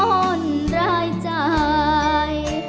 อ่อนรายจ่าย